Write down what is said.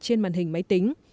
trên màn hình máy tính